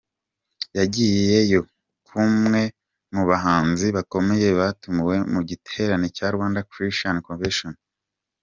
Yagiyeyo nk’umwe mu bahanzi bakomeye batumiwe mu giterane cya ‘Rwanda Christian Convention’.